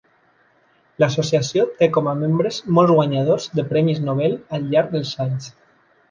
L'associació té com a membres molts guanyadors del Premi Nobel al llarg dels anys.